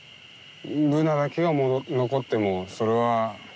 ブナだけが残ってもそれはうん。